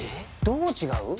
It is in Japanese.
どう違う？